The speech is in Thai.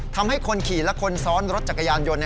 ทำให้คนขี่และคนซ้อนรถจักรยานยนต์